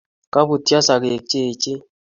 Kabutso sogek cheechen